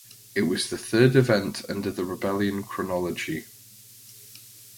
It was the third event under the Rebellion chronology.